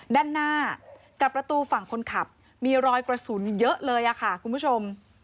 ด้านหน้ากับประตูฝั่งคนขับมีรอยกระสุนเยอะเลยค่ะคุณผู้ชม